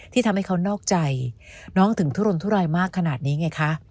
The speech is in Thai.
ทำให้เขานอกใจน้องถึงทุรนทุรายมากขนาดนี้ไงคะ